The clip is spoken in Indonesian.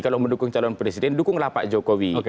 kalau mendukung calon presiden dukunglah pak jokowi